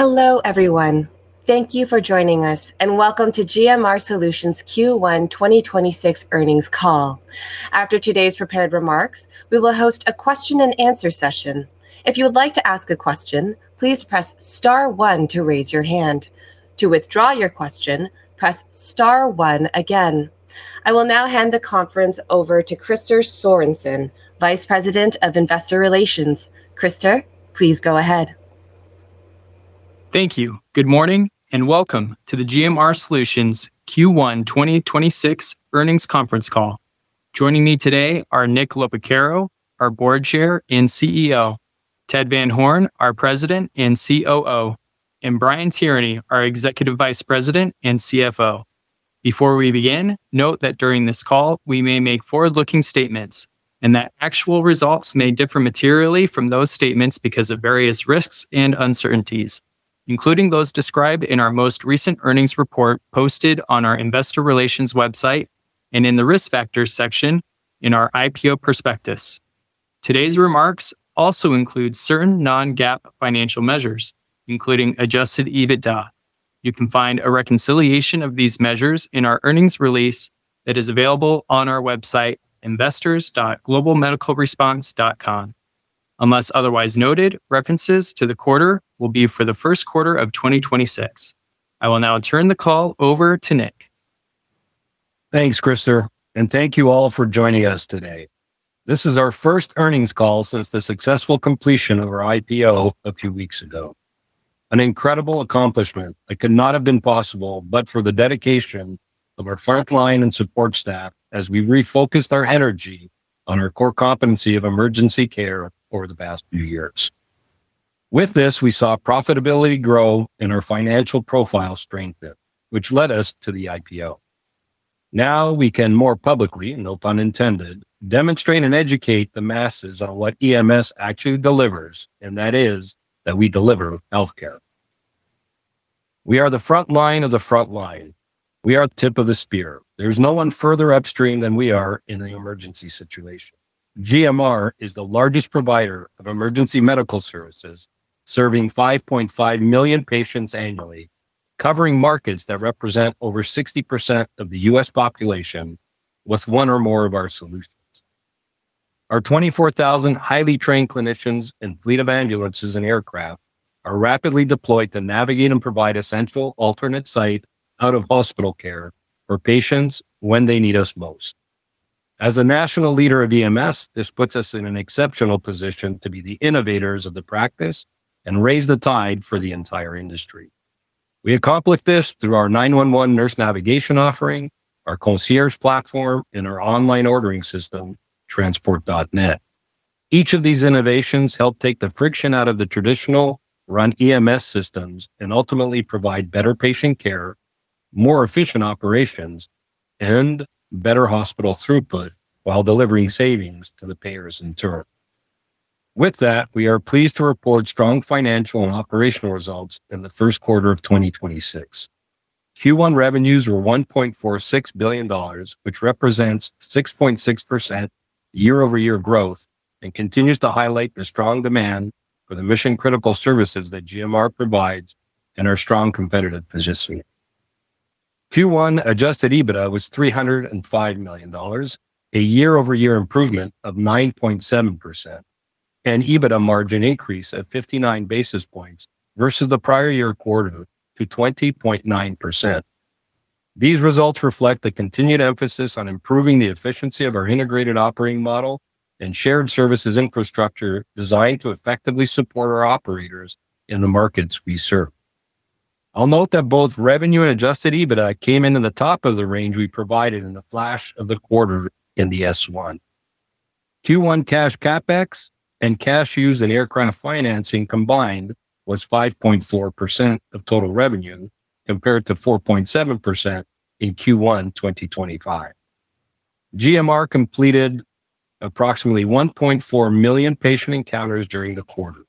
Hello everyone. Thank you for joining us and welcome to GMR Solutions' Q1 2026 earnings call. After today's prepared remarks, we will host a question-and-answer session. If you would like to ask a question, please press star one to raise your hand. To withdraw your question, press star one again. I will now hand the conference over to Krister Sorensen, Vice President of Investor Relations. Krister, please go ahead. Thank you. Good morning and welcome to the GMR Solutions Q1 2026 earnings conference call. Joining me today are Nick Loporcaro, our Board Chair and CEO, Ted Van Horne, our President and COO, and Brian Tierney, our Executive Vice President and CFO. Before we begin, note that during this call, we may make forward-looking statements and that actual results may differ materially from those statements because of various risks and uncertainties, including those described in our most recent earnings report posted on our investor relations website and in the risk factors section in our IPO prospectus. Today's remarks also include certain non-GAAP financial measures, including adjusted EBITDA. You can find a reconciliation of these measures in our earnings release that is available on our website, investors.globalmedicalresponse.com. Unless otherwise noted, references to the quarter will be for the first quarter of 2026. I will now turn the call over to Nick. Thanks, Krister, and thank you all for joining us today. This is our first earnings call since the successful completion of our IPO a few weeks ago. An incredible accomplishment that could not have been possible but for the dedication of our frontline and support staff as we refocused our energy on our core competency of emergency care over the past few years. With this, we saw profitability grow and our financial profile strengthen, which led us to the IPO. Now we can more publicly, no pun intended, demonstrate and educate the masses on what EMS actually delivers, and that is that we deliver healthcare. We are the front line of the front line. We are the tip of the spear. There's no one further upstream than we are in an emergency situation. GMR is the largest provider of emergency medical services, serving 5.5 million patients annually, covering markets that represent over 60% of the U.S. population with one or more of our solutions. Our 24,000 highly trained clinicians and fleet of ambulances and aircraft are rapidly deployed to navigate and provide essential alternate site out-of-hospital care for patients when they need us most. As a national leader of EMS, this puts us in an exceptional position to be the innovators of the practice and raise the tide for the entire industry. We accomplish this through our 911 Nurse Navigation offering, our Concierge platform, and our online ordering system, Transport.Net. Each of these innovations help take the friction out of the traditional run EMS systems and ultimately provide better patient care, more efficient operations, and better hospital throughput while delivering savings to the payers in turn. With that, we are pleased to report strong financial and operational results in the first quarter of 2026. Q1 revenues were $1.46 billion, which represents 6.6% year-over-year growth and continues to highlight the strong demand for the mission-critical services that GMR provides and our strong competitive position. Q1 adjusted EBITDA was $305 million, a year-over-year improvement of 9.7% and EBITDA margin increase of 59 basis points versus the prior year quarter to 20.9%. These results reflect the continued emphasis on improving the efficiency of our integrated operating model and shared services infrastructure designed to effectively support our operators in the markets we serve. I'll note that both revenue and adjusted EBITDA came into the top of the range we provided in the flash of the quarter in the S1. Q1 cash CapEx and cash used in aircraft financing combined was 5.4% of total revenue, compared to 4.7% in Q1 2025. GMR completed approximately 1.4 million patient encounters during the quarter.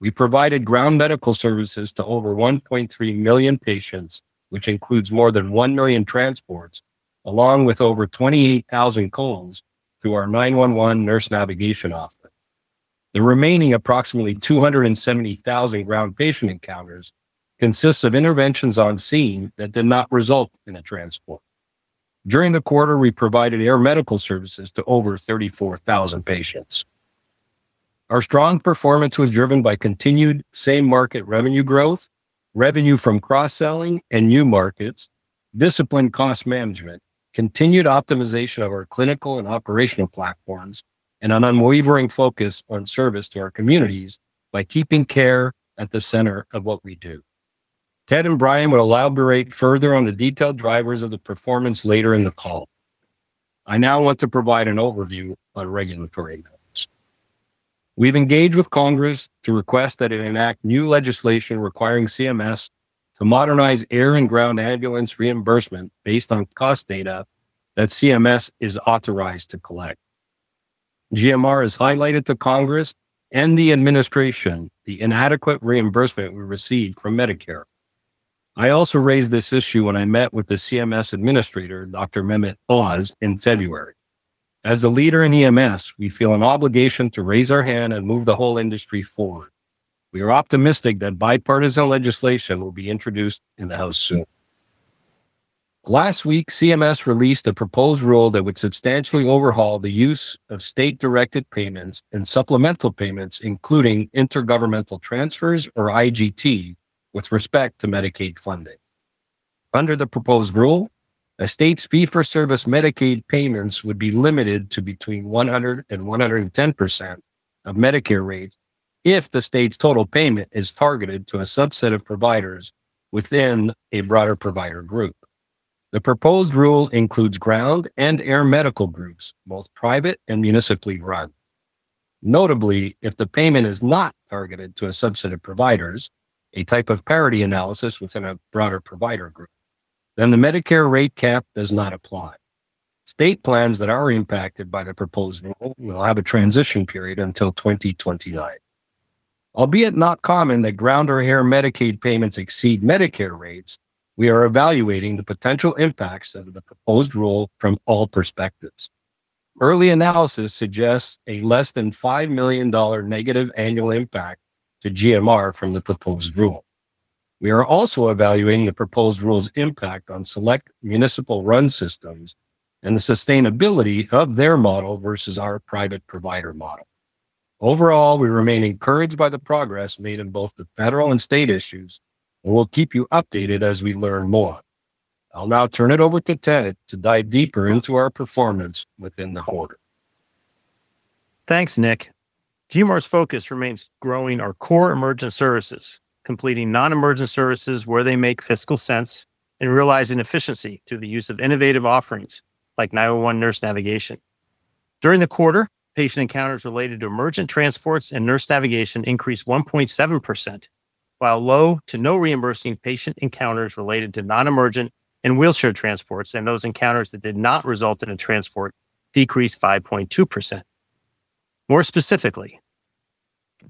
We provided ground medical services to over 1.3 million patients, which includes more than 1 million transports, along with over 28,000 calls through our 911 Nurse Navigation office. The remaining approximately 270,000 ground patient encounters consists of interventions on scene that did not result in a transport. During the quarter, we provided air medical services to over 34,000 patients. Our strong performance was driven by continued same-market revenue growth, revenue from cross-selling and new markets, disciplined cost management, continued optimization of our clinical and operational platforms, and an unwavering focus on service to our communities by keeping care at the center of what we do. Ted and Brian will elaborate further on the detailed drivers of the performance later in the call. I now want to provide an overview on regulatory matters. We've engaged with Congress to request that it enact new legislation requiring CMS to modernize air and ground ambulance reimbursement based on cost data that CMS is authorized to collect. GMR has highlighted to Congress and the administration the inadequate reimbursement we receive from Medicare. I also raised this issue when I met with the CMS Administrator, Dr. Mehmet Oz, in February. As a leader in EMS, we feel an obligation to raise our hand and move the whole industry forward. We are optimistic that bipartisan legislation will be introduced in the House soon. Last week, CMS released a proposed rule that would substantially overhaul the use of state-directed payments and supplemental payments, including intergovernmental transfers, or IGT, with respect to Medicaid funding. Under the proposed rule, a state's fee-for-service Medicaid payments would be limited to between 100% and 110% of Medicare rates if the state's total payment is targeted to a subset of providers within a broader provider group. The proposed rule includes ground and air medical groups, both private and municipally run. Notably, if the payment is not targeted to a subset of providers, a type of parity analysis within a broader provider group, then the Medicare rate cap does not apply. State plans that are impacted by the proposed rule will have a transition period until 2029. Albeit not common that ground or air Medicaid payments exceed Medicare rates, we are evaluating the potential impacts of the proposed rule from all perspectives. Early analysis suggests a less than $5 million negative annual impact to GMR from the proposed rule. We are also evaluating the proposed rule's impact on select municipal-run systems and the sustainability of their model versus our private provider model. Overall, we remain encouraged by the progress made in both the federal and state issues, and we'll keep you updated as we learn more. I'll now turn it over to Ted to dive deeper into our performance within the quarter. Thanks, Nick. GMR's focus remains growing our core emergent services, completing non-emergent services where they make fiscal sense, and realizing efficiency through the use of innovative offerings like 911 Nurse Navigation. During the quarter, patient encounters related to emergent transports and nurse navigation increased 1.7%, while low to no reimbursing patient encounters related to non-emergent and wheelchair transports and those encounters that did not result in a transport decreased 5.2%. More specifically,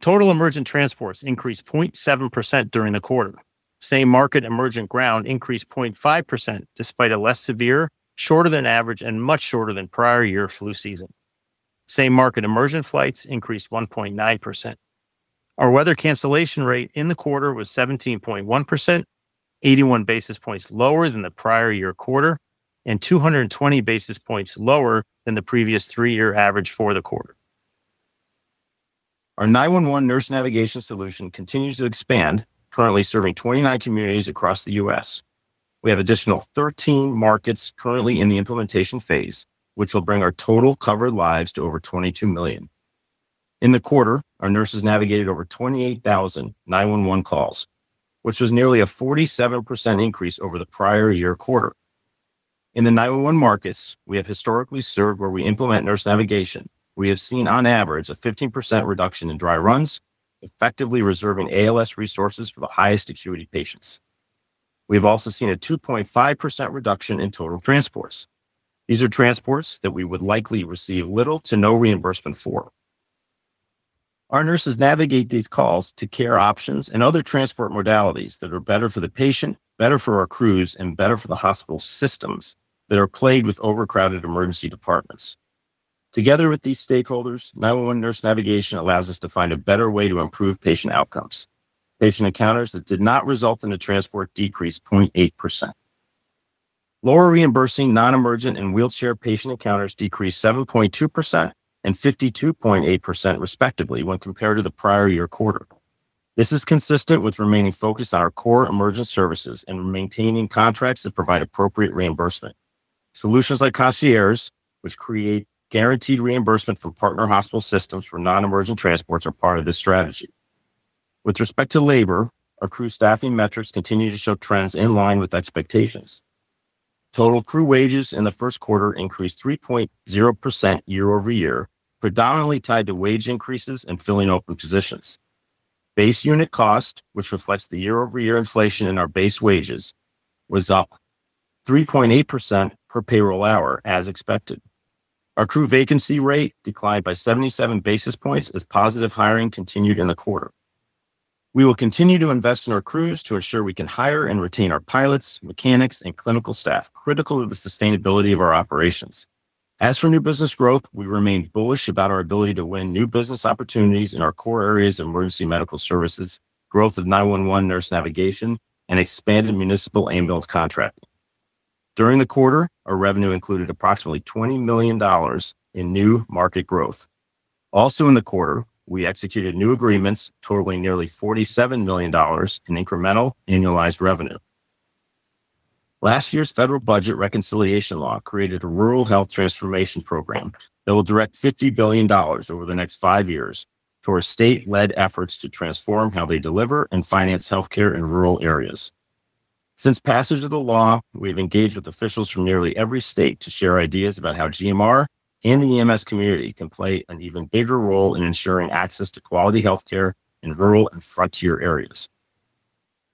total emergent transports increased 0.7% during the quarter. Same market emergent ground increased 0.5%, despite a less severe, shorter than average, and much shorter than prior year flu season. Same market emergent flights increased 1.9%. Our weather cancellation rate in the quarter was 17.1%, 81 basis points lower than the prior year quarter and 220 basis points lower than the previous three-year average for the quarter. Our 911 Nurse Navigation solution continues to expand, currently serving 29 communities across the U.S. We have additional 13 markets currently in the implementation phase, which will bring our total covered lives to over 22 million. In the quarter, our nurses navigated over 28,000 911 calls, which was nearly a 47% increase over the prior year quarter. In the 911 markets we have historically served where we implement nurse navigation, we have seen on average a 15% reduction in dry runs, effectively reserving ALS resources for the highest acuity patients. We've also seen a 2.5% reduction in total transports. These are transports that we would likely receive little to no reimbursement for. Our nurses navigate these calls to care options and other transport modalities that are better for the patient, better for our crews, and better for the hospital systems that are plagued with overcrowded emergency departments. Together with these stakeholders, 911 Nurse Navigation allows us to find a better way to improve patient outcomes. Patient encounters that did not result in a transport decreased 0.8%. Lower reimbursing non-emergent and wheelchair patient encounters decreased 7.2% and 52.8% respectively when compared to the prior year quarter. This is consistent with remaining focused on our core emergent services and maintaining contracts that provide appropriate reimbursement. Solutions like Concierge, which create guaranteed reimbursement from partner hospital systems for non-emergent transports, are part of this strategy. With respect to labor, our crew staffing metrics continue to show trends in line with expectations. Total crew wages in the first quarter increased 3.0% year-over-year, predominantly tied to wage increases and filling open positions. Base unit cost, which reflects the year-over-year inflation in our base wages, was up 3.8% per payroll hour as expected. Our crew vacancy rate declined by 77 basis points as positive hiring continued in the quarter. We will continue to invest in our crews to ensure we can hire and retain our pilots, mechanics, and clinical staff, critical to the sustainability of our operations. As for new business growth, we remain bullish about our ability to win new business opportunities in our core areas of emergency medical services, growth of 911 Nurse Navigation, and expanded municipal ambulance contracting. During the quarter, our revenue included approximately $20 million in new market growth. Also in the quarter, we executed new agreements totaling nearly $47 million in incremental annualized revenue. Last year's federal budget reconciliation law created a Rural Health Transformation program that will direct $50 billion over the next five years toward state-led efforts to transform how they deliver and finance healthcare in rural areas. Since passage of the law, we've engaged with officials from nearly every state to share ideas about how GMR and the EMS community can play an even bigger role in ensuring access to quality healthcare in rural and frontier areas.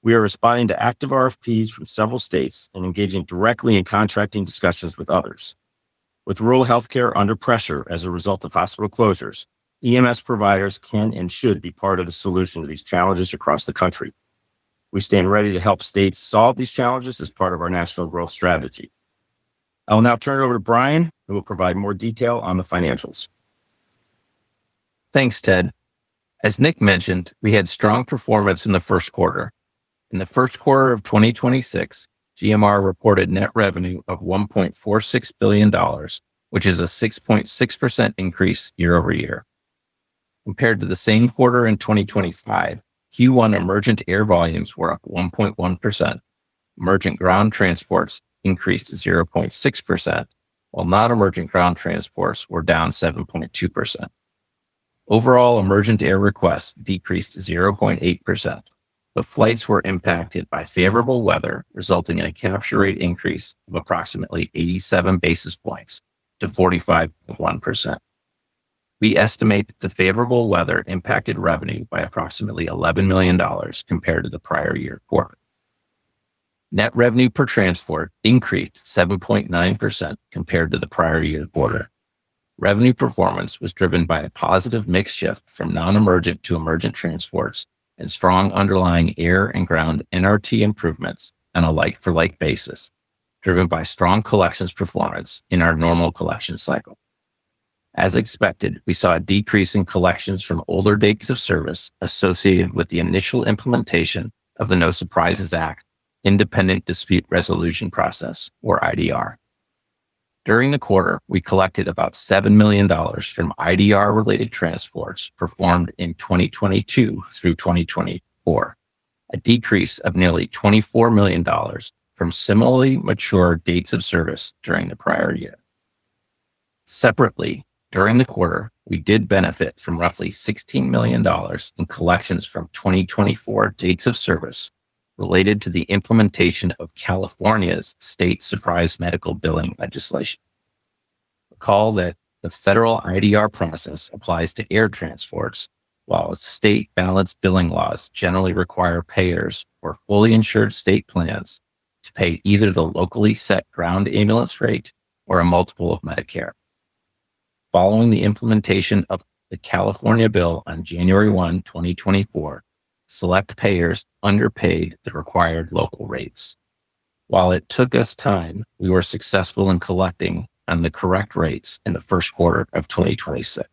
We are responding to active RFPs from several states and engaging directly in contracting discussions with others. With rural healthcare under pressure as a result of hospital closures, EMS providers can and should be part of the solution to these challenges across the country. We stand ready to help states solve these challenges as part of our national growth strategy. I will now turn it over to Brian, who will provide more detail on the financials. Thanks, Ted. As Nick mentioned, we had strong performance in the first quarter. In the first quarter of 2026, GMR reported net revenue of $1.46 billion, which is a 6.6% increase year-over-year. Compared to the same quarter in 2025, Q1 emergent air volumes were up 1.1%, emergent ground transports increased 0.6%, while non-emergent ground transports were down 7.2%. Overall emergent air requests decreased 0.8%. Flights were impacted by favorable weather, resulting in a capture rate increase of approximately 87 basis points to 45.1%. We estimate that the favorable weather impacted revenue by approximately $11 million compared to the prior year quarter. Net revenue per transport increased 7.9% compared to the prior year quarter. Revenue performance was driven by a positive mix shift from non-emergent to emergent transports and strong underlying air and ground NRT improvements on a like-for-like basis, driven by strong collections performance in our normal collection cycle. As expected, we saw a decrease in collections from older dates of service associated with the initial implementation of the No Surprises Act independent dispute resolution process, or IDR. During the quarter, we collected about $7 million from IDR-related transports performed in 2022 through 2024, a decrease of nearly $24 million from similarly mature dates of service during the prior year. Separately, during the quarter, we did benefit from roughly $16 million in collections from 2024 dates of service related to the implementation of California's state surprise medical billing legislation. Recall that the federal IDR process applies to air transports, while state balanced billing laws generally require payers or fully insured state plans to pay either the locally set ground ambulance rate or a multiple of Medicare. Following the implementation of the California bill on January 1, 2024, select payers underpaid the required local rates. While it took us time, we were successful in collecting on the correct rates in the first quarter of 2026.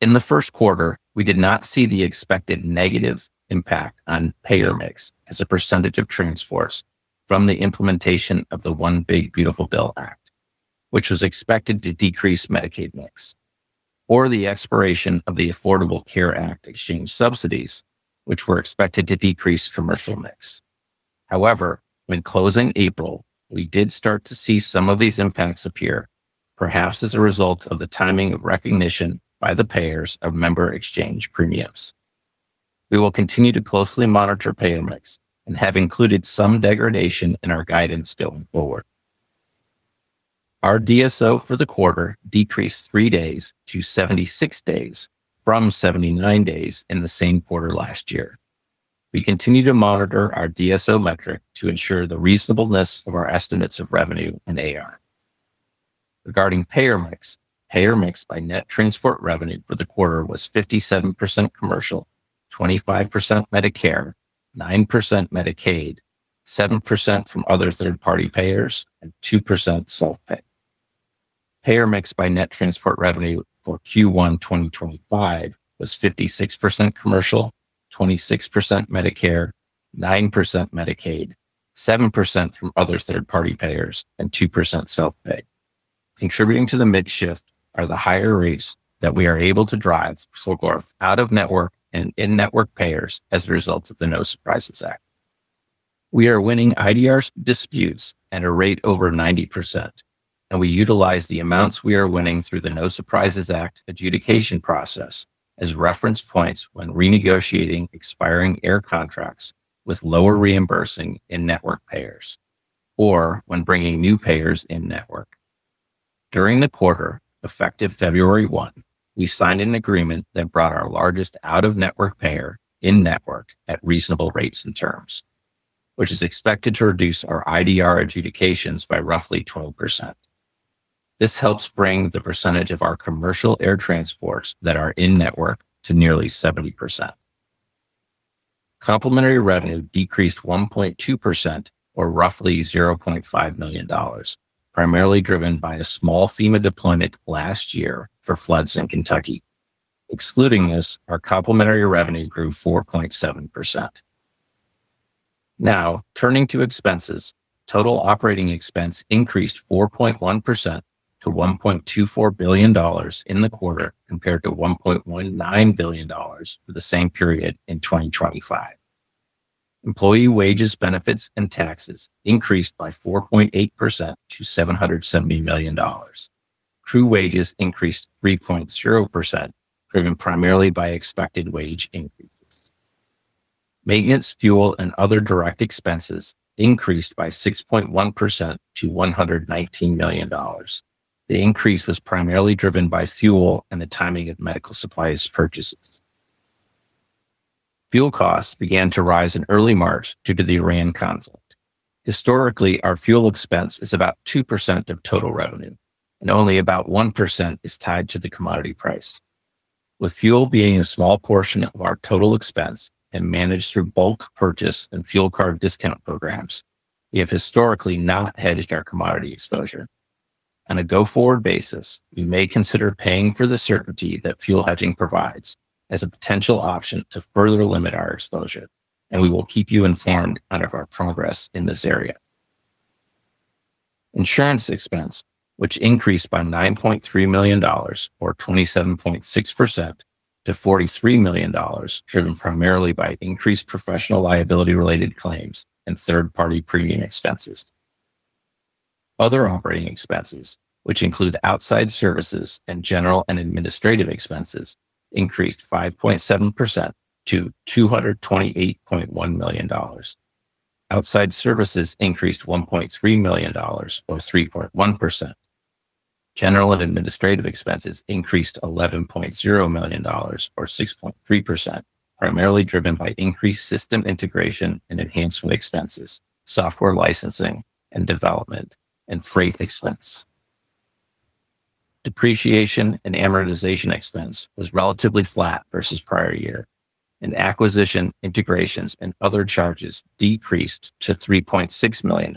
In the first quarter, we did not see the expected negative impact on payer mix as a percentage of transports from the implementation of the One Big Beautiful Bill Act, which was expected to decrease Medicaid mix, or the expiration of the Affordable Care Act exchange subsidies, which were expected to decrease commercial mix. When closing April, we did start to see some of these impacts appear, perhaps as a result of the timing of recognition by the payers of member exchange premiums. We will continue to closely monitor payer mix and have included some degradation in our guidance going forward. Our DSO for the quarter decreased three days to 76 days from 79 days in the same quarter last year. We continue to monitor our DSO metric to ensure the reasonableness of our estimates of revenue and AR. Regarding payer mix, payer mix by net transport revenue for the quarter was 57% commercial, 25% Medicare, 9% Medicaid, 7% from other third-party payers, and 2% self-pay. Payer mix by net transport revenue for Q1 2025 was 56% commercial, 26% Medicare, 9% Medicaid, 7% from other third-party payers, and 2% self-pay. Contributing to the mid-shift are the higher rates that we are able to drive for both out-of-network and in-network payers as a result of the No Surprises Act. We are winning IDR disputes at a rate over 90%, and we utilize the amounts we are winning through the No Surprises Act adjudication process as reference points when renegotiating expiring air contracts with lower reimbursing in-network payers or when bringing new payers in-network. During the quarter, effective February 1, we signed an agreement that brought our largest out-of-network payer in-network at reasonable rates and terms, which is expected to reduce our IDR adjudications by roughly 12%. This helps bring the percentage of our commercial air transports that are in-network to nearly 70%. Complementary revenue decreased 1.2%, or roughly $0.5 million, primarily driven by a small FEMA deployment last year for floods in Kentucky. Excluding this, our complementary revenue grew 4.7%. Now, turning to expenses. Total operating expense increased 4.1% to $1.24 billion in the quarter compared to $1.19 billion for the same period in 2025. Employee wages, benefits, and taxes increased by 4.8% to $770 million. Crew wages increased 3.0%, driven primarily by expected wage increases. Maintenance, fuel, and other direct expenses increased by 6.1% to $119 million. The increase was primarily driven by fuel and the timing of medical supplies purchases. Fuel costs began to rise in early March due to the Iran conflict. Historically, our fuel expense is about 2% of total revenue and only about 1% is tied to the commodity price. With fuel being a small portion of our total expense and managed through bulk purchase and fuel card discount programs, we have historically not hedged our commodity exposure. On a go-forward basis, we may consider paying for the certainty that fuel hedging provides as a potential option to further limit our exposure, and we will keep you informed of our progress in this area. Insurance expense, which increased by $9.3 million, or 27.6% to $43 million, driven primarily by increased professional liability-related claims and third-party premium expenses. Other operating expenses, which include outside services and general and administrative expenses, increased 5.7% to $228.1 million. Outside services increased $1.3 million or 3.1%. General and administrative expenses increased $11.0 million or 6.3%, primarily driven by increased system integration and enhancement expenses, software licensing and development, and freight expense. Depreciation and amortization expense was relatively flat versus prior year, and acquisition integrations and other charges decreased to $3.6 million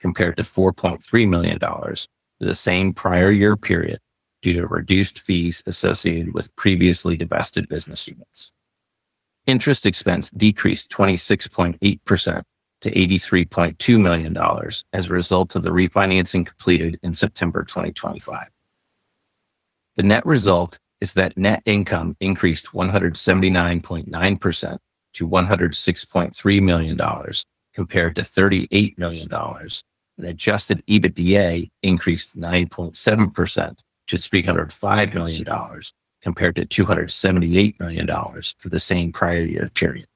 compared to $4.3 million for the same prior year period due to reduced fees associated with previously divested business units. Interest expense decreased 26.8% to $83.2 million as a result of the refinancing completed in September 2025. The net result is that net income increased 179.9% to $106.3 million compared to $38 million, and adjusted EBITDA increased 9.7% to $305 million compared to $278 million for the same prior year period.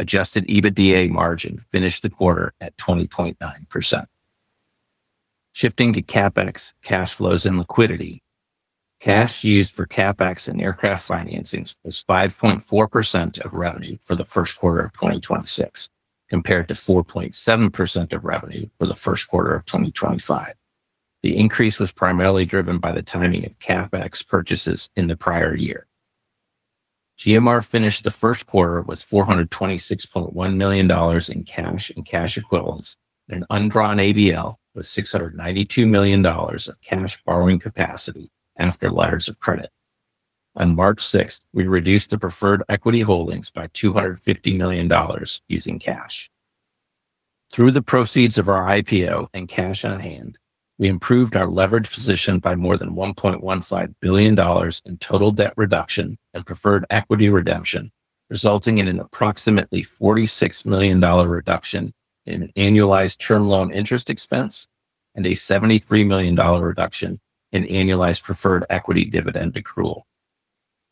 Adjusted EBITDA margin finished the quarter at 20.9%. Shifting to CapEx, cash flows, and liquidity. Cash used for CapEx and aircraft financings was 5.4% of revenue for the first quarter of 2026, compared to 4.7% of revenue for the first quarter of 2025. The increase was primarily driven by the timing of CapEx purchases in the prior year. GMR finished the first quarter with $426.1 million in cash and cash equivalents and undrawn ABL with $692 million of cash borrowing capacity after letters of credit. On March 6th, we reduced the preferred equity holdings by $250 million using cash. Through the proceeds of our IPO and cash on hand, we improved our leverage position by more than $1.15 billion in total debt reduction and preferred equity redemption, resulting in an approximately $46 million reduction in annualized term loan interest expense and a $73 million reduction in annualized preferred equity dividend accrual.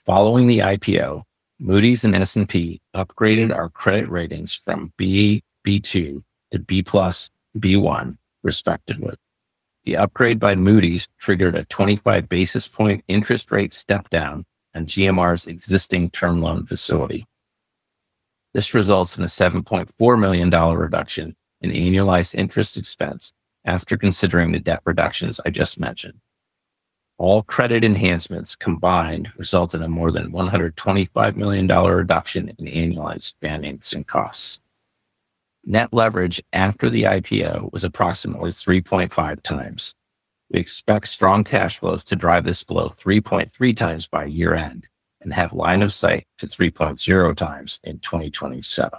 Following the IPO, Moody's and S&P upgraded our credit ratings from B, B2 to B-plus, B1, respectively. The upgrade by Moody's triggered a 25-basis-point interest rate step-down on GMR's existing term loan facility. This results in a $7.4 million reduction in annualized interest expense after considering the debt reductions I just mentioned. All credit enhancements combined resulted in more than $125 million reduction in annualized financing costs. Net leverage after the IPO was approximately 3.5x. We expect strong cash flows to drive this below 3.3x by year-end and have line of sight to 3.0x in 2027.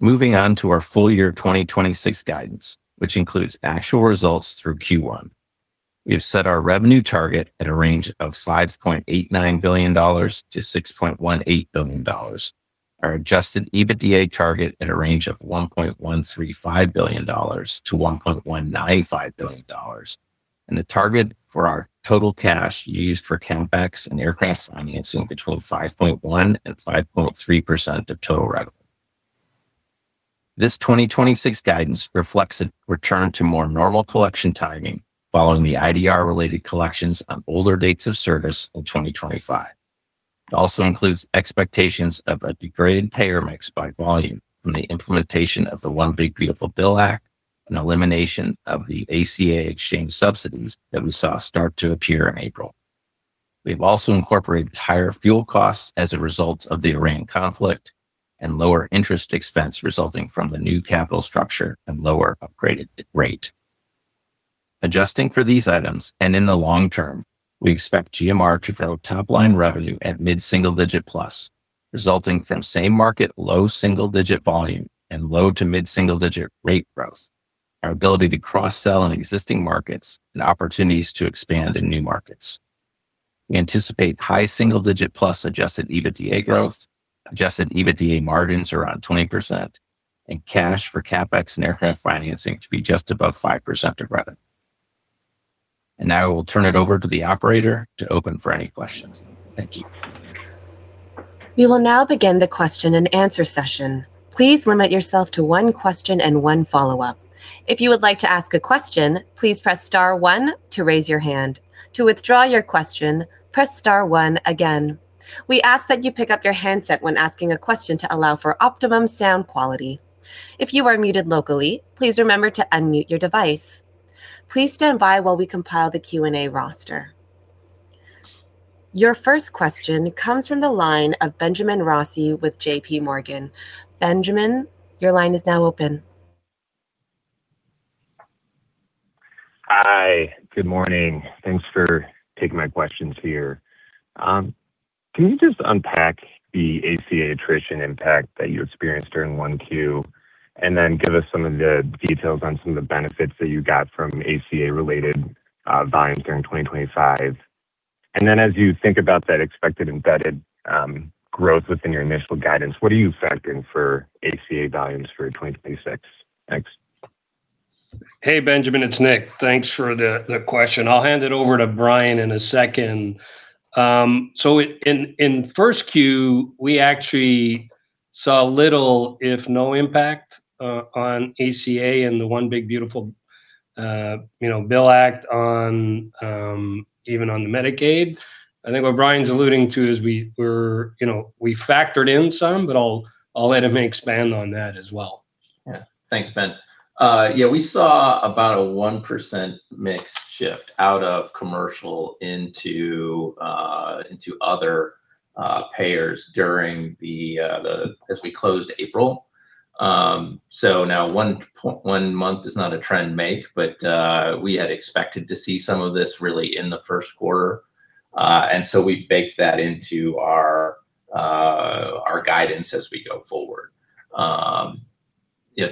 Moving on to our full year 2026 guidance, which includes actual results through Q1. We have set our revenue target at a range of $5.89 billion-$6.18 billion. Our adjusted EBITDA target at a range of $1.135 billion-$1.195 billion, and the target for our total cash used for CapEx and aircraft financing between 5.1% and 5.3% of total revenue. This 2026 guidance reflects a return to more normal collection timing following the IDR-related collections on older dates of service in 2025. It also includes expectations of a degraded payer mix by volume from the implementation of the One Big Beautiful Bill Act and elimination of the ACA exchange subsidies that we saw start to appear in April. We've also incorporated higher fuel costs as a result of the Iran conflict and lower interest expense resulting from the new capital structure and lower upgraded rate. Adjusting for these items, and in the long term, we expect GMR to grow top-line revenue at mid-single-digit plus, resulting from same market, low single-digit volume, and low to mid-single-digit rate growth, our ability to cross-sell in existing markets, and opportunities to expand in new markets. We anticipate high single-digit plus adjusted EBITDA growth, adjusted EBITDA margins around 20%, and cash for CapEx and aircraft financing to be just above 5% of revenue. Now I will turn it over to the operator to open for any questions. Thank you. We will now begin the question and answer session. Please limit yourself to one question and one follow-up. If you would like to ask a question, please press star one to raise your hand. To withdraw your question, press star one again. We ask that you pick up your handset when asking a question to allow for optimum sound quality. If you are muted locally, please remember to unmute your device. Please stand by while we compile the Q&A roster. Your first question comes from the line of Benjamin Rossi with JPMorgan. Benjamin, your line is now open. Hi. Good morning. Thanks for taking my questions here. Can you just unpack the ACA attrition impact that you experienced during Q1, and then give us some of the details on some of the benefits that you got from ACA-related volumes during 2025? As you think about that expected embedded growth within your initial guidance, what are you factoring for ACA volumes for 2026? Thanks. Hey, Benjamin. It's Nick. Thanks for the question. I'll hand it over to Brian in a second. In Q1, we actually saw little, if no impact, on ACA and the One Big Beautiful Bill Act, even on the Medicaid. I think what Brian's alluding to is we factored in some, but I'll let him expand on that as well. Thanks, Ben. We saw about a 1% mix shift out of commercial into other payers as we closed April. Now one month is not a trend make, but we had expected to see some of this really in the first quarter. We've baked that into our guidance as we go forward.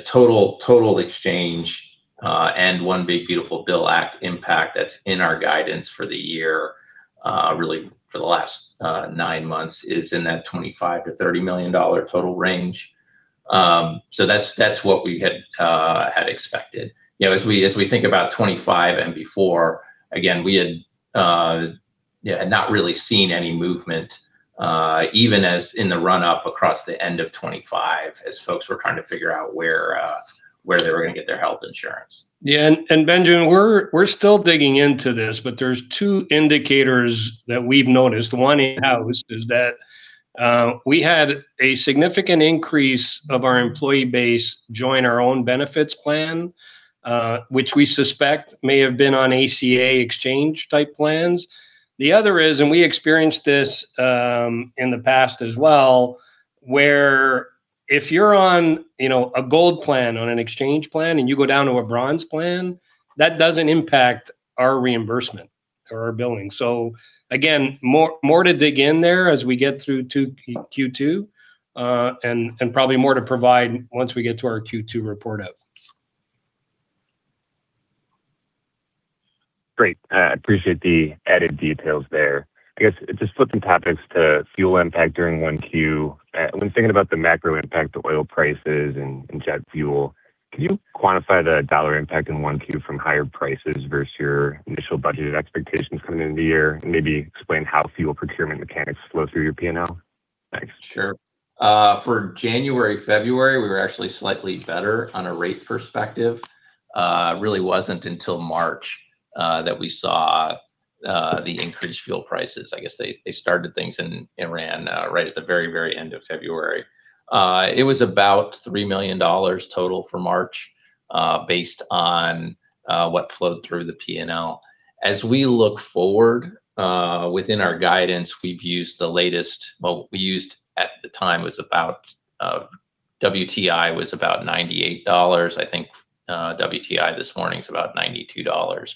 Total exchange, and One Big Beautiful Bill Act impact that's in our guidance for the year, really for the last nine months, is in that $25 million-$30 million total range. That's what we had expected. As we think about 2025 and before, again, we had not really seen any movement, even as in the run-up across the end of 2025 as folks were trying to figure out where they were going to get their health insurance. Yeah. Benjamin, we're still digging into this, but there's two indicators that we've noticed. One is that we had a significant increase of our employee base join our own benefits plan, which we suspect may have been on ACA exchange-type plans. The other is, we experienced this in the past as well, where if you're on a gold plan on an exchange plan and you go down to a bronze plan, that doesn't impact our reimbursement or our billing. Again, more to dig in there as we get through to Q2, and probably more to provide once we get to our Q2 report out. Great. I appreciate the added details there. I guess, just flipping topics to fuel impact during Q1. When thinking about the macro impact of oil prices and jet fuel, can you quantify the dollar impact in Q1 from higher prices versus your initial budgeted expectations coming into the year, maybe explain how fuel procurement mechanics flow through your P&L? Thanks. Sure. For January, February, we were actually slightly better on a rate perspective. Really wasn't until March that we saw the increased fuel prices. I guess they started things in Iran right at the very end of February. It was about $3 million total for March, based on what flowed through the P&L. As we look forward within our guidance, we've used the latest, well, we used at the time was about, WTI was about $98. I think WTI this morning's about $92.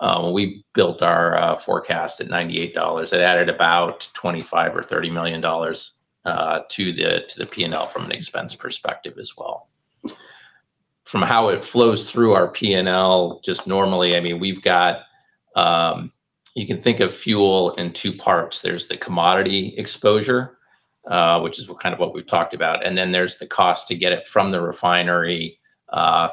When we built our forecast at $98, it added about $25 or $30 million to the P&L from an expense perspective as well. From how it flows through our P&L, just normally, you can think of fuel in two parts. There's the commodity exposure, which is what we've talked about, and then there's the cost to get it from the refinery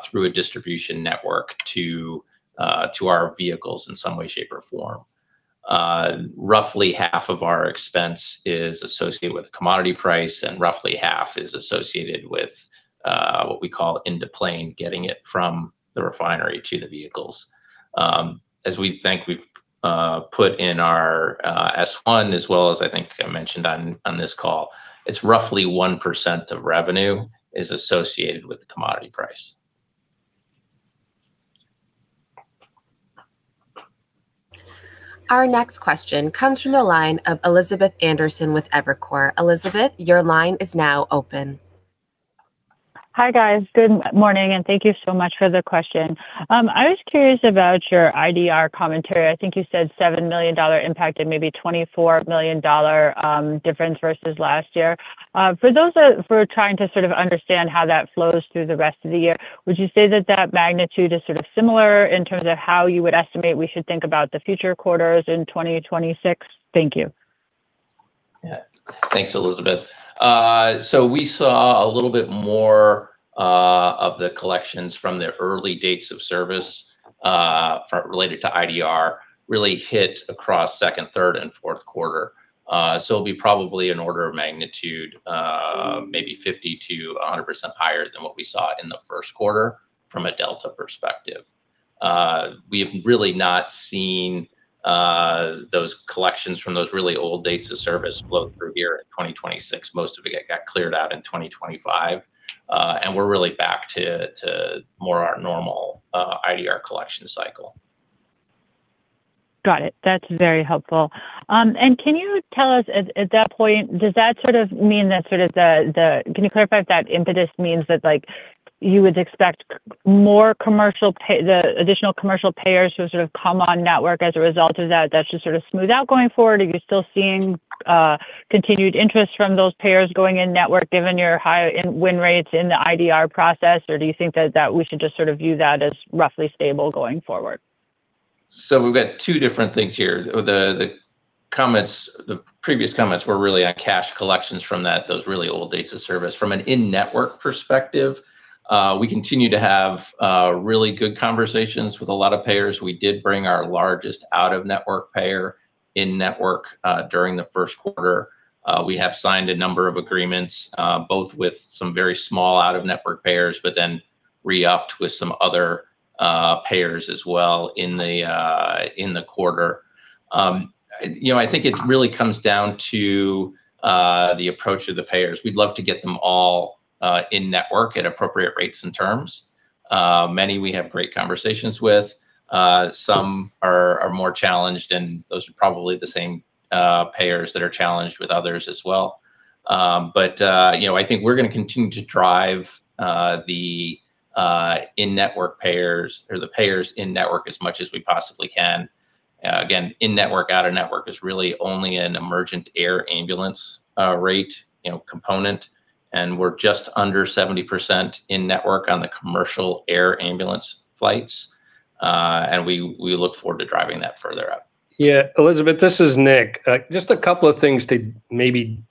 through a distribution network to our vehicles in some way, shape, or form. Roughly half of our expense is associated with commodity price, and roughly half is associated with what we call into plane, getting it from the refinery to the vehicles. As we think we've put in our S1, as well as I think I mentioned on this call, it's roughly 1% of revenue is associated with the commodity price. Our next question comes from the line of Elizabeth Anderson with Evercore. Elizabeth, your line is now open. Hi, guys. Good morning, and thank you so much for the question. I was curious about your IDR commentary. I think you said $7 million impact and maybe $24 million difference versus last year. For those that were trying to sort of understand how that flows through the rest of the year, would you say that that magnitude is sort of similar in terms of how you would estimate we should think about the future quarters in 2026? Thank you. Thanks, Elizabeth. We saw a little bit more the collections from the early dates of service related to IDR really hit across second, third, and fourth quarter. It'll be probably an order of magnitude, maybe 50%-100% higher than what we saw in the first quarter from a delta perspective. We've really not seen those collections from those really old dates of service flow through here in 2026. Most of it got cleared out in 2025. We're really back to more our normal IDR collection cycle. Got it. That's very helpful. Can you tell us, at that point, can you clarify if that impetus means that you would expect additional commercial payers to come in-network as a result of that should smooth out going forward? Are you still seeing continued interest from those payers going in-network, given your high win rates in the IDR process? Do you think that we should just view that as roughly stable going forward? We've got two different things here. The previous comments were really on cash collections from those really old dates of service. From an in-network perspective, we continue to have really good conversations with a lot of payers. We did bring our largest out-of-network payer in-network during the first quarter. We have signed a number of agreements, both with some very small out-of-network payers, but then re-upped with some other payers as well in the quarter. I think it really comes down to the approach of the payers. We'd love to get them all in-network at appropriate rates and terms. Many we have great conversations with. Some are more challenged, and those are probably the same payers that are challenged with others as well. I think we're going to continue to drive the payers in-network as much as we possibly can. Again, in-network, out-of-network is really only an emergent air ambulance rate component, and we're just under 70% in-network on the commercial air ambulance flights. We look forward to driving that further up. Yeah, Elizabeth, this is Nick. Just a couple of things to maybe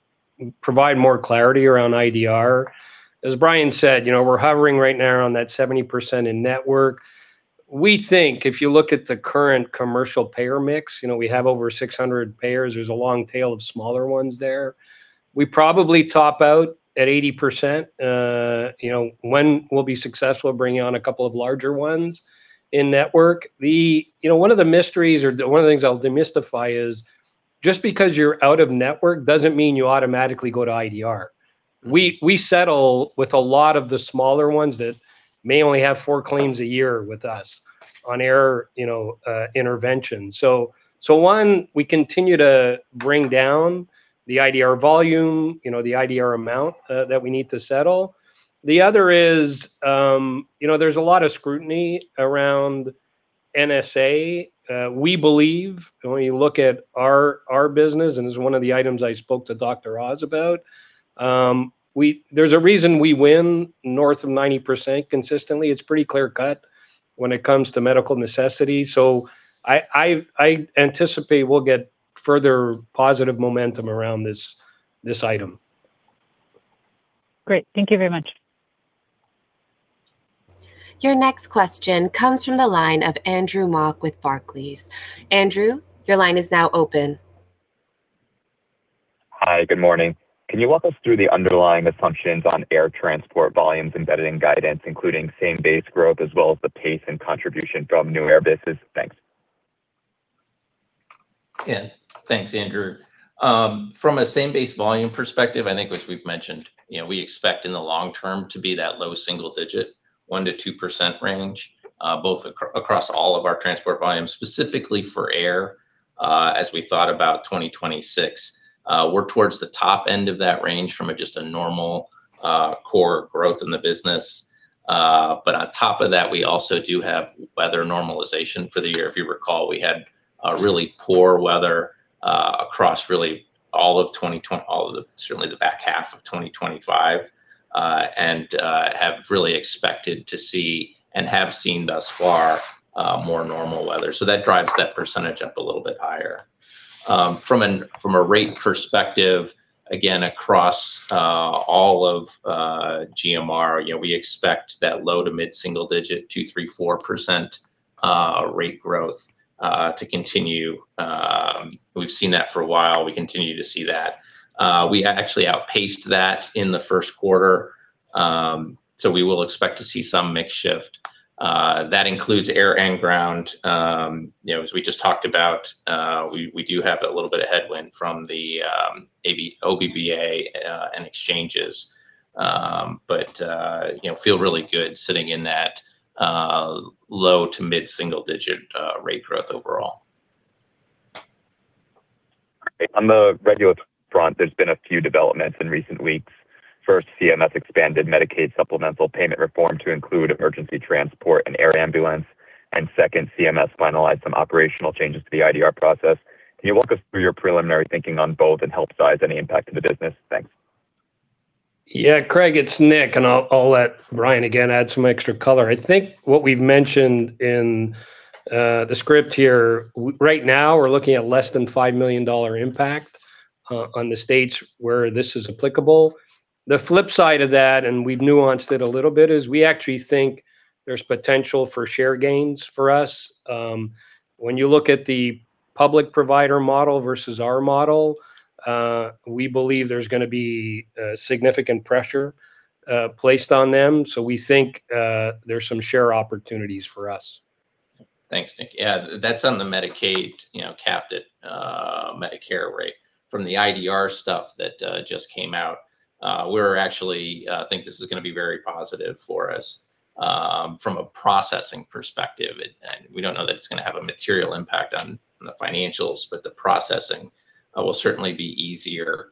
provide more clarity around IDR. As Brian said, we're hovering right now on that 70% in-network. We think if you look at the current commercial payer mix, we have over 600 payers. There's a long tail of smaller ones there. We probably top out at 80%, when we'll be successful bringing on a couple of larger ones in-network. One of the mysteries or one of the things I'll demystify is just because you're out-of-network doesn't mean you automatically go to IDR. We settle with a lot of the smaller ones that may only have four claims a year with us on air intervention. One, we continue to bring down the IDR volume, the IDR amount that we need to settle. The other is there's a lot of scrutiny around NSA. We believe when we look at our business, and this is one of the items I spoke to Dr. Oz about, there's a reason we win north of 90% consistently. It's pretty clear-cut when it comes to medical necessity. I anticipate we'll get further positive momentum around this item. Great. Thank you very much. Your next question comes from the line of Andrew Mok with Barclays. Andrew, your line is now open. Hi, good morning. Can you walk us through the underlying assumptions on air transport volumes embedded in guidance, including same base growth as well as the pace and contribution from new air business? Thanks. Yeah. Thanks, Andrew. From a same base volume perspective, I think as we've mentioned, we expect in the long term to be that low single digit, 1%-2% range both across all of our transport volumes, specifically for air as we thought about 2026. We're towards the top end of that range from just a normal core growth in the business. On top of that, we also do have weather normalization for the year. If you recall, we had really poor weather across certainly the back half of 2025. Have really expected to see and have seen thus far more normal weather. That drives that percentage up a little bit higher. From a rate perspective, again, across all of GMR, we expect that low to mid-single digit 2%, 3%, 4% rate growth to continue. We've seen that for a while. We continue to see that. We actually outpaced that in the first quarter, so we will expect to see some mix shift. That includes air and ground. As we just talked about, we do have that little bit of headwind from the OBBA and exchanges. Feel really good sitting in that low to mid-single digit rate growth overall. Great. On the regulatory front, there's been a few developments in recent weeks. First, CMS expanded Medicaid supplemental payment reform to include emergency transport and air ambulance. Second, CMS finalized some operational changes to the IDR process. Can you walk us through your preliminary thinking on both and help size any impact to the business? Thanks. Yeah, [Craig], it's Nick. I'll let Brian again add some extra color. I think what we've mentioned in the script here, right now we're looking at less than $5 million impact on the states where this is applicable. The flip side of that, we've nuanced it a little bit, is we actually think there's potential for share gains for us. When you look at the public provider model versus our model, we believe there's going to be significant pressure placed on them. We think there's some share opportunities for us. Thanks, Nick. Yeah, that's on the Medicaid-capped Medicare rate. From the IDR stuff that just came out, we actually think this is going to be very positive for us from a processing perspective. We don't know that it's going to have a material impact on the financials, but the processing will certainly be easier.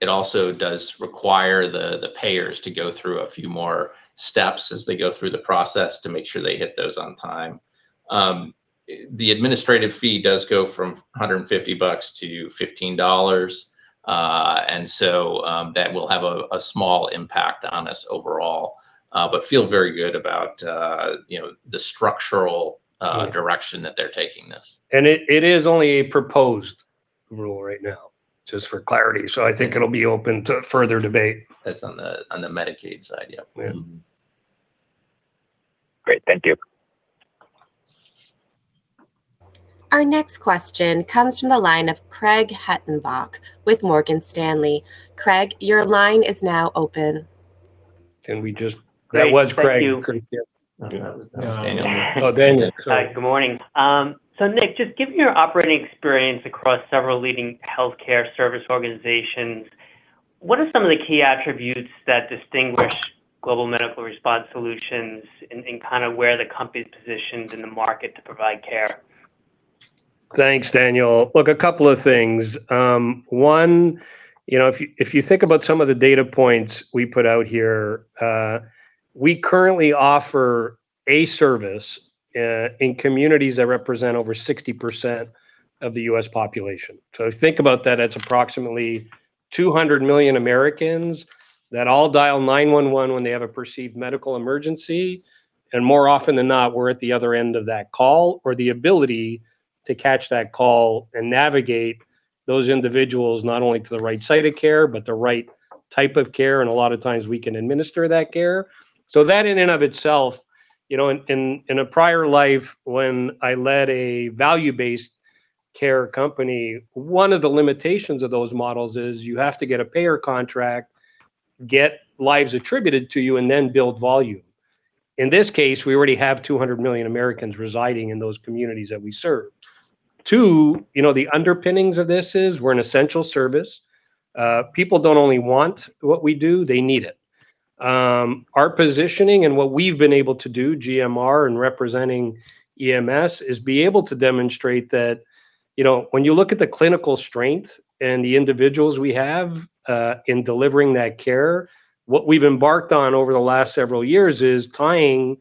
It also does require the payers to go through a few more steps as they go through the process to make sure they hit those on time. The administrative fee does go from $150 to $15, and so that will have a small impact on us overall. Feel very good about the structural direction that they're taking this. It is only a proposed rule right now, just for clarity. I think it'll be open to further debate. That's on the Medicaid side. Yep. Yeah. Great. Thank you. Our next question comes from the line of Craig Hettenbach with Morgan Stanley. Craig, your line is now open. That was Craig. Great. Thank you. Could you- That was Daniel. Oh, Daniel, sorry. Hi. Good morning. Nick, just given your operating experience across several leading healthcare service organizations, what are some of the key attributes that distinguish Global Medical Response Solutions and where the company's positioned in the market to provide care? Thanks, [Daniel]. A couple of things. If you think about some of the data points we put out here, we currently offer a service in communities that represent over 60% of the U.S. population. Think about that. That's approximately 200 million Americans that all dial 911 when they have a perceived medical emergency. More often than not, we're at the other end of that call or the ability to catch that call and navigate those individuals not only to the right site of care, but the right type of care, and a lot of times we can administer that care. That in and of itself, in a prior life when I led a value-based care company, one of the limitations of those models is you have to get a payer contract, get lives attributed to you, and then build volume. In this case, we already have 200 million Americans residing in those communities that we serve. Two, the underpinnings of this is we're an essential service. People don't only want what we do, they need it. Our positioning and what we've been able to do, GMR in representing EMS, is be able to demonstrate that when you look at the clinical strength and the individuals we have in delivering that care, what we've embarked on over the last several years is tying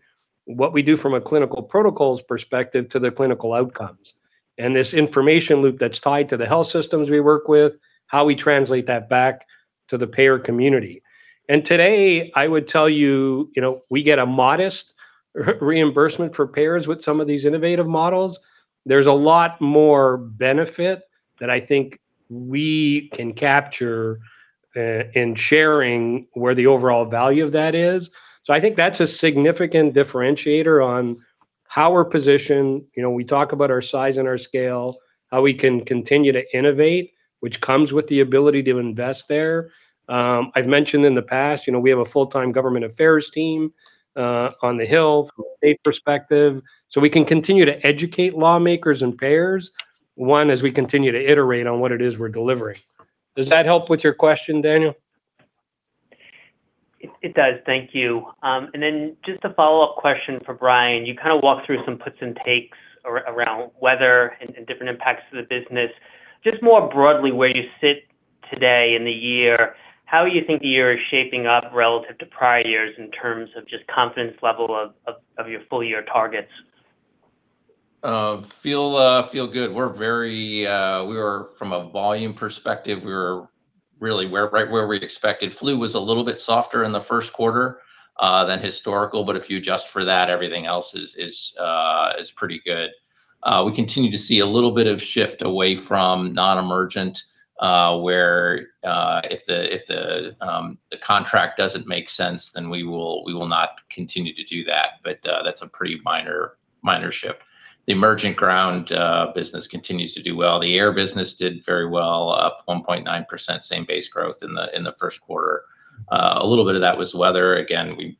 what we do from a clinical protocols perspective to the clinical outcomes. This information loop that's tied to the health systems we work with, how we translate that back to the payer community. Today, I would tell you, we get a modest reimbursement for payers with some of these innovative models. There's a lot more benefit that I think we can capture in sharing where the overall value of that is. I think that's a significant differentiator on how we're positioned. We talk about our size and our scale, how we can continue to innovate, which comes with the ability to invest there. I've mentioned in the past we have a full-time government affairs team on the Hill from a state perspective. We can continue to educate lawmakers and payers, one, as we continue to iterate on what it is we're delivering. Does that help with your question, Daniel? It does. Thank you. Then just a follow-up question for Brian. You kind of walked through some puts and takes around weather and different impacts to the business. Just more broadly, where you sit today in the year, how you think the year is shaping up relative to prior years in terms of just confidence level of your full-year targets? Feel good. From a volume perspective, we're right where we expected. Flu was a little bit softer in the first quarter than historical, but if you adjust for that, everything else is pretty good. We continue to see a little bit of shift away from non-emergent, where if the contract doesn't make sense, then we will not continue to do that. That's a pretty minor shift. The emergent ground business continues to do well. The air business did very well, up 1.9%, same base growth in the first quarter. A little bit of that was weather.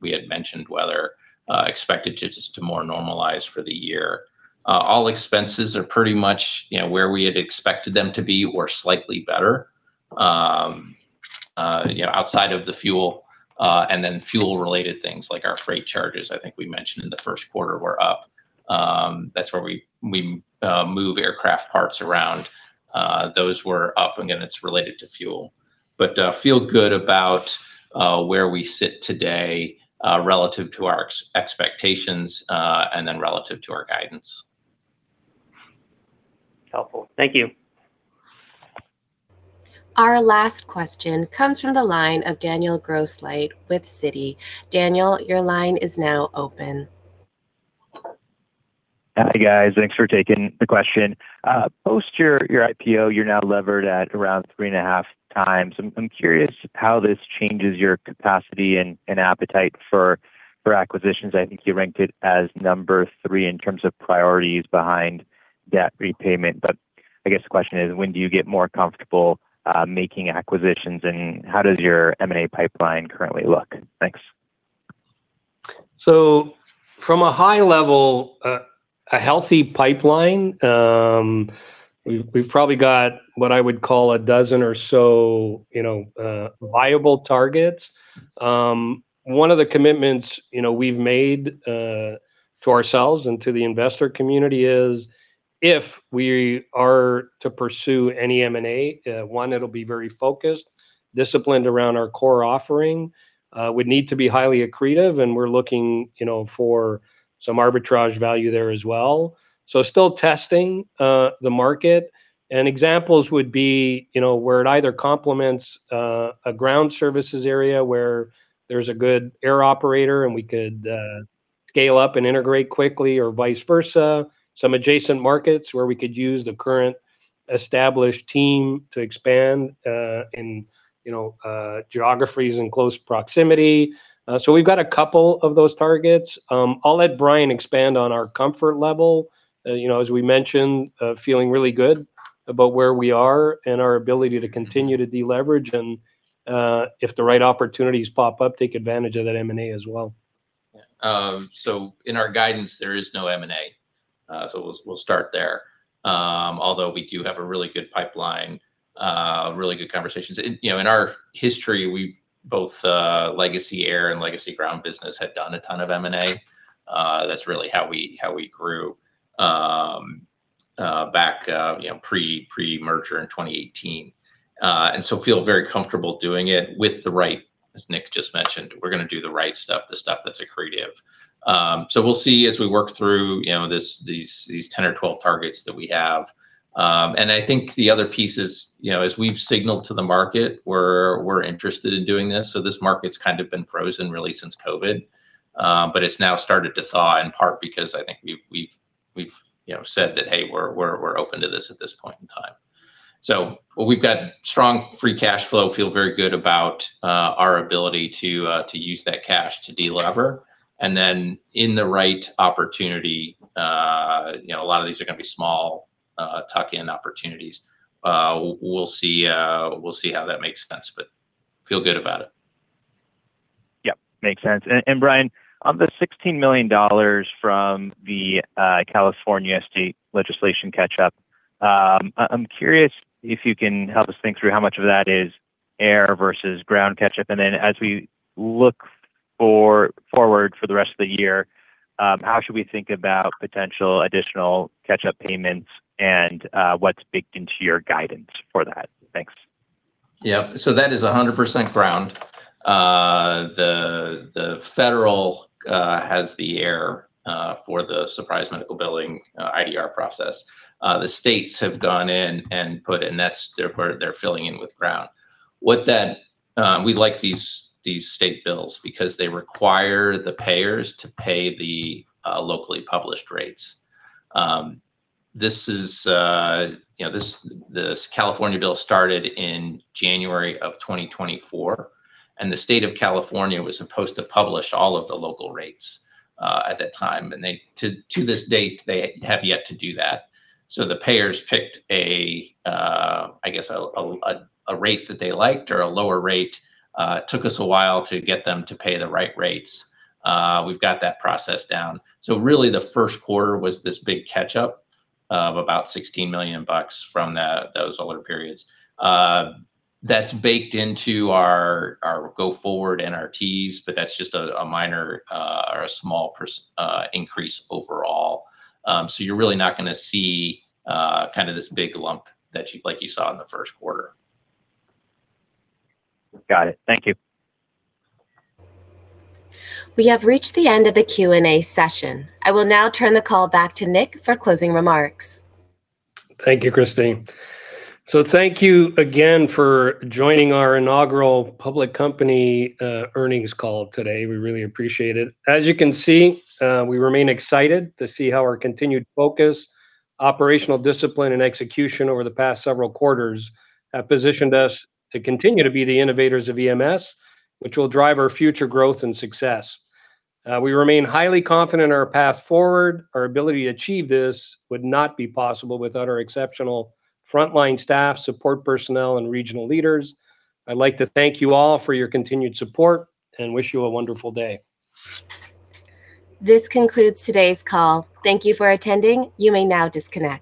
We had mentioned weather, expected to just more normalize for the year. All expenses are pretty much where we had expected them to be or slightly better, outside of the fuel. Fuel-related things like our freight charges, I think we mentioned in the first quarter, were up. That's where we move aircraft parts around. Those were up. Again, it's related to fuel. Feel good about where we sit today relative to our expectations and then relative to our guidance. Helpful. Thank you. Our last question comes from the line of Daniel Grosslight with Citi. Daniel, your line is now open. Hi, guys. Thanks for taking the question. Post your IPO, you're now levered at around 3.5x. I'm curious how this changes your capacity and appetite for acquisitions. I think you ranked it as number three in terms of priorities behind debt repayment. I guess the question is, when do you get more comfortable making acquisitions, and how does your M&A pipeline currently look? Thanks. From a high level, a healthy pipeline, we've probably got what I would call 12 or so viable targets. One of the commitments we've made to ourselves and to the investor community is if we are to pursue any M&A, one, it'll be very focused, disciplined around our core offering, would need to be highly accretive, and we're looking for some arbitrage value there as well. Still testing the market. Examples would be where it either complements a ground services area, where there's a good air operator and we could scale up and integrate quickly or vice versa. Some adjacent markets where we could use the current established team to expand in geographies in close proximity. We've got a couple of those targets. I'll let Brian expand on our comfort level. As we mentioned, feeling really good about where we are and our ability to continue to deleverage and, if the right opportunities pop up, take advantage of that M&A as well. In our guidance, there is no M&A. Although we do have a really good pipeline, really good conversations. In our history, both legacy air and legacy ground business had done a ton of M&A. That's really how we grew back pre-merger in 2018. Feel very comfortable doing it. As Nick just mentioned, we're going to do the right stuff, the stuff that's accretive. We'll see as we work through these 10 or 12 targets that we have. I think the other piece is, as we've signaled to the market, we're interested in doing this. This market's kind of been frozen really since COVID, but it's now started to thaw, in part because I think we've said that, "Hey, we're open to this at this point in time." We've got strong free cash flow, feel very good about our ability to use that cash to delever. In the right opportunity, a lot of these are going to be small tuck-in opportunities. We'll see how that makes sense but feel good about it. Yep, makes sense. Brian, on the $16 million from the California state legislation catch-up, I'm curious if you can help us think through how much of that is air versus ground catch-up. As we look forward for the rest of the year, how should we think about potential additional catch-up payments and what's baked into your guidance for that? Thanks. Yep. That is 100% ground. The federal has the air for the surprise medical billing IDR process. The states have gone in and put in, that's their part, they're filling in with ground. We like these state bills because they require the payers to pay the locally published rates. This California bill started in January of 2024, and the state of California was supposed to publish all of the local rates at that time, and to this date, they have yet to do that. The payers picked, I guess, a rate that they liked or a lower rate. It took us a while to get them to pay the right rates. We've got that process down. Really, the first quarter was this big catch-up of about $16 million from those older periods. That's baked into our go forward NRTs, but that's just a minor or a small increase overall. You're really not going to see this big lump like you saw in the first quarter. Got it. Thank you. We have reached the end of the Q&A session. I will now turn the call back to Nick for closing remarks. Thank you, Christine. Thank you again for joining our inaugural public company earnings call today. We really appreciate it. As you can see, we remain excited to see how our continued focus, operational discipline, and execution over the past several quarters have positioned us to continue to be the innovators of EMS, which will drive our future growth and success. We remain highly confident in our path forward. Our ability to achieve this would not be possible without our exceptional frontline staff, support personnel, and regional leaders. I'd like to thank you all for your continued support and wish you a wonderful day. This concludes today's call. Thank you for attending. You may now disconnect.